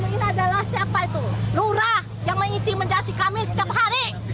ini adalah siapa itu lurah yang mengintimidasi kami setiap hari